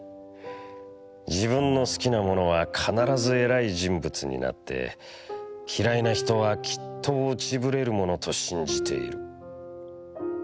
自分の好きなものは必ずえらい人物になって、嫌いなひとはきっと落ち振れるものと信じている。